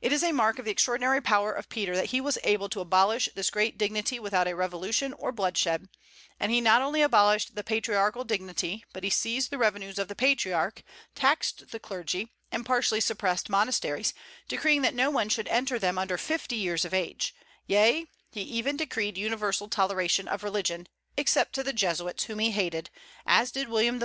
It is a mark of the extraordinary power of Peter that he was enabled to abolish this great dignity without a revolution or bloodshed; and he not only abolished the patriarchal dignity, but he seized the revenues of the Patriarch, taxed the clergy, and partially suppressed monasteries, decreeing that no one should enter them under fifty years of age; yea, he even decreed universal toleration of religion, except to the Jesuits, whom he hated, as did William III.